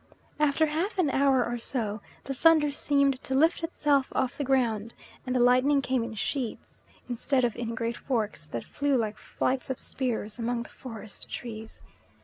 After half an hour or so the thunder seemed to lift itself off the ground, and the lightning came in sheets, instead of in great forks that flew like flights of spears among the forest trees.